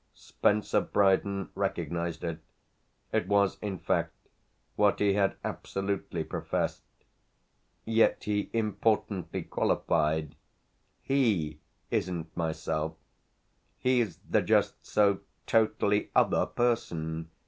Spencer Brydon recognised it it was in fact what he had absolutely professed. Yet he importantly qualified. "He isn't myself. He's the just so totally other person.